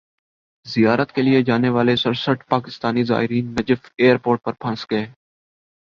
زیارت کیلئے جانے والے سرسٹھ پاکستانی زائرین نجف ایئرپورٹ پر پھنس گئے